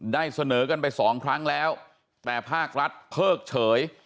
ได้เสนอกันไปสองครั้งแล้วแต่ภาครัฐเพิกเฉย